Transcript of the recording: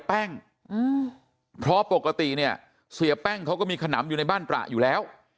แป้งเพราะปกติเนี่ยเสียแป้งเขาก็มีขนำอยู่ในบ้านตระอยู่แล้ว